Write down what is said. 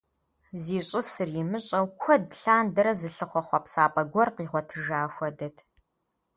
Зищӏысыр имыщӏэу куэд лъандэрэ зылъыхъуэ хъуэпсапӏэ гуэр къигъуэтыжа хуэдэт.